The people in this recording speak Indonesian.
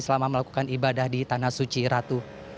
selama melakukan ibadah di tanah suci ratu